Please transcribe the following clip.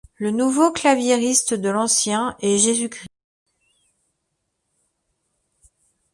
Le nouveau claviériste de Ancient est Jesus Christ.